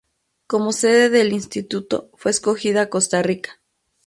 Como sede del Instituto fue escogida Costa Rica.